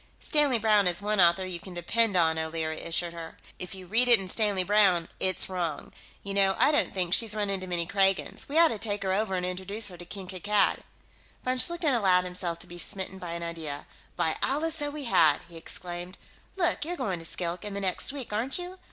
"Stanley Browne is one author you can depend on," O'Leary assured her. "If you read it in Stanley Browne, it's wrong. You know, I don't think she's run into many Kragans. We ought to take her over and introduce her to King Kankad." Von Schlichten allowed himself to be smitten by an idea. "By Allah, so we had!" he exclaimed. "Look, you're going to Skilk, in the next week, aren't you?